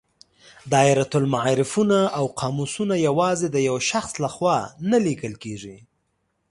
دایرة المعارفونه او قاموسونه یوازې د یو شخص له خوا نه لیکل کیږي.